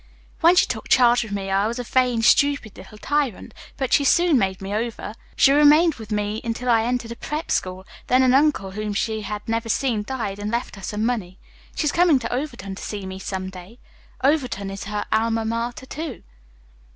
When she took charge of me I was a vain, stupid little tyrant, but she soon made me over. She remained with me until I entered a prep school, then an uncle whom she had never seen died and left her some money. She's coming to Overton to see me some day. Overton is her Alma Mater, too."